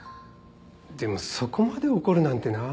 でもそこまで怒るなんてなあ。